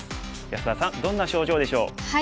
安田さんどんな症状でしょう？